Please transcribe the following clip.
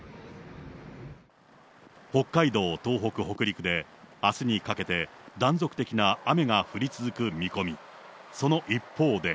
北海道、東北、北陸であすにかけて断続的な雨が降り続く見込み。